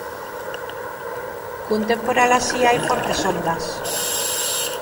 Cun temporal así, hai fortes ondas.